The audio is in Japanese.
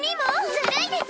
ずるいです